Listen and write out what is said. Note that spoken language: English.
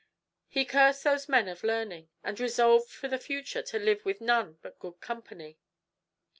He cursed those men of learning, and resolved for the future to live with none but good company.